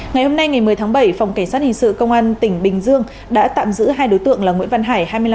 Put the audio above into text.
ngày hôm nay ngày một mươi tháng bảy phòng cảnh sát hình sự công an tỉnh bình dương đã tạm giữ hai đối tượng là nguyễn văn hải